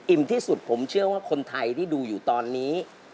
ที่สุดผมเชื่อว่าคนไทยที่ดูอยู่ตอนนี้